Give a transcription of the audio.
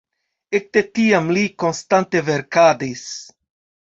Ekde tiam li konstante verkadis.